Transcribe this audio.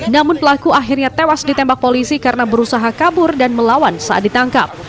namun pelaku akhirnya tewas ditembak polisi karena berusaha kabur dan melawan saat ditangkap